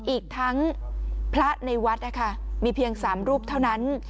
อีกทั้งพระในวัดนะคะมีเพียง๓รูปเท่านั้น